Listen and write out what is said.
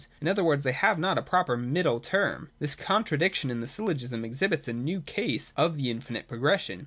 In other words, the}' have not a proper Middle Term. This contradiction in the syllogism exhibits a new case of the infinite progression.